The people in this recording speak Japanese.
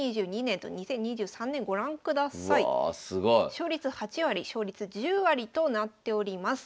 勝率８割勝率１０割となっております。